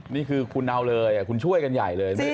นี่คือคุณเอาเลยคุณช่วยกันใหญ่เลย